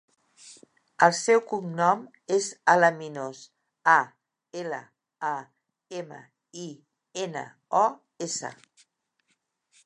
El seu cognom és Alaminos: a, ela, a, ema, i, ena, o, essa.